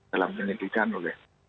dalam penelitian oleh